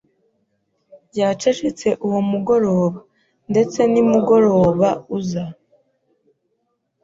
yacecetse uwo mugoroba, ndetse nimugoroba uza.